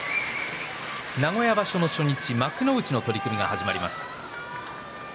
名古屋場所の初日幕内の取組が始まります。